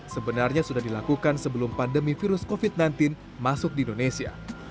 sebenarnya sudah dilakukan sebelum pandemi virus covid sembilan belas masuk di indonesia